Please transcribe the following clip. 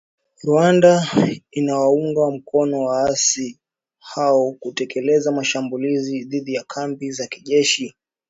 Rwanda inawaunga mkono waasi hao kutekeleza mashambulizi dhidi ya kambi za jeshi